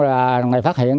rồi người này phát hiện